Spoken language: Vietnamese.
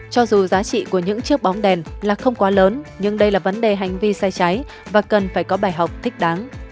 cho dù giá trị của những chiếc bóng đèn là không quá lớn nhưng đây là vấn đề hành vi sai trái và cần phải có bài học thích đáng